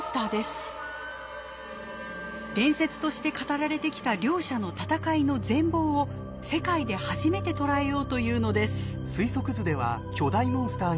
伝説として語られてきた両者の闘いの全貌を世界で初めて捉えようというのです。